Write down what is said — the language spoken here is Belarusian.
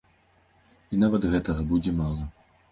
І нават гэтага будзе мала.